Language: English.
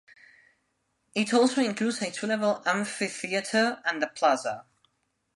It also includes a two-level amphitheater and a plaza.